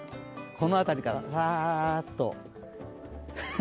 この辺りから、さーっと。